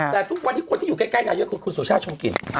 แต่ทุกวันนี้คนที่อยู่ใกล้นายกคือคุณสุชาติชมกลิ่น